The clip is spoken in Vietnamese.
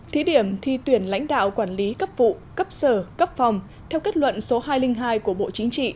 thí điểm thi tuyển lãnh đạo quản lý cấp vụ cấp sở cấp phòng theo kết luận số hai trăm linh hai của bộ chính trị